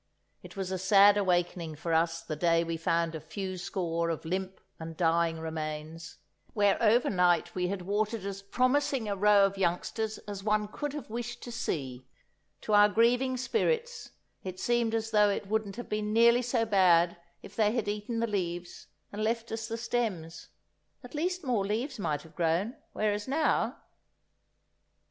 It was a sad awakening for us the day we found a few score of limp and dying remains, where over night we had watered as promising a row of youngsters as one could have wished to see. To our grieving spirits, it seemed as though it wouldn't have been nearly so bad if they had eaten the leaves and left us the stems, at least more leaves might have grown, whereas now——!